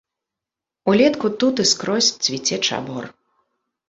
Улетку тут і скрозь цвіце чабор.